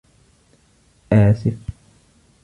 آسف.